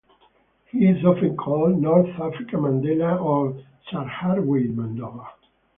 He is often called "North African Mandela" or "Sahrawi Mandela".